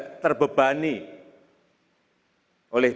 sehingga pejabat pejabat politik